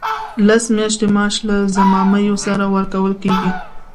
لس میاشتې معاش له ضمایمو سره ورکول کیږي.